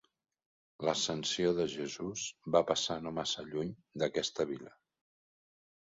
L'ascensió de Jesús va passar no massa lluny d'aquesta vila.